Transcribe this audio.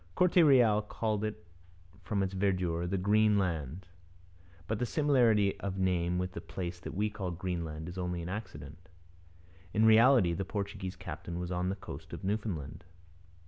Corte Real called it from its verdure 'the Green Land,' but the similarity of name with the place that we call Greenland is only an accident. In reality the Portuguese captain was on the coast of Newfoundland.